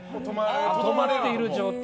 止まっている状態。